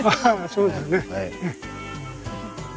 そうですね。